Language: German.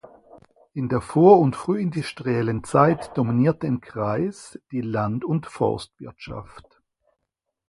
In der vor- und frühindustriellen Zeit dominierte im Kreis die Land- und Forstwirtschaft.